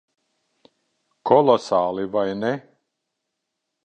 Kolosāli. Vai ne?